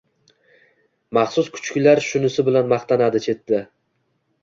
Maxsus kuchlar shunisi bilan maqtanadi, chetda.